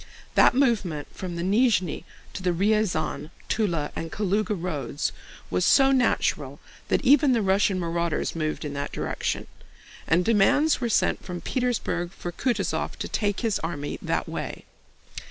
That movement from the Nízhni to the Ryazán, Túla, and Kalúga roads was so natural that even the Russian marauders moved in that direction, and demands were sent from Petersburg for Kutúzov to take his army that way.